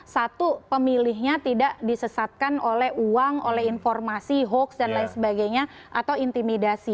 satu pemilihnya tidak disesatkan oleh uang oleh informasi hoax dan lain sebagainya atau intimidasi